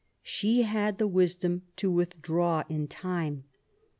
She had the wisdom to withdraw in time.